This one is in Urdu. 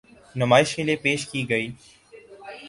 نمائش کے لیے پیش کی گئی۔